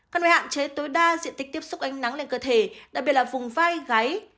căn hộ hạn chế tối đa diện tích tiếp xúc ánh nắng lên cơ thể đặc biệt là vùng vai gáy